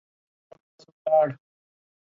له منځه ولاړ.